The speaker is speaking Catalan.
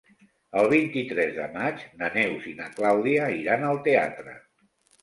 El vint-i-tres de maig na Neus i na Clàudia iran al teatre.